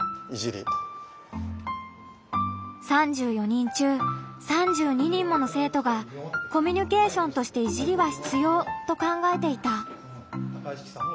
３４人中３２人もの生徒が「コミュニケーションとしていじりは必要」と考えていた。